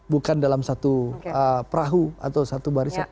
bukan dalam satu perahu atau satu barisan